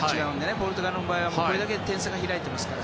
ポルトガルの場合はこれだけ点差が開いていますから。